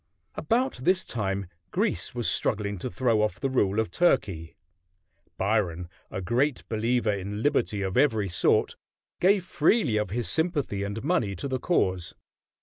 About this time Greece was struggling to throw off the rule of Turkey. Byron, a great believer in liberty of every sort, gave freely of his sympathy and money to the cause.